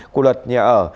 của luật nhà ở